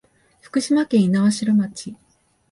福島県猪苗代町